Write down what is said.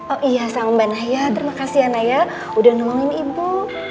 oh iya sama mbak naya terima kasih ya naya udah nolongin ibu